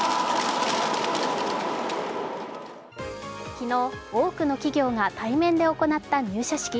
昨日、多くの企業が対面で行った入社式。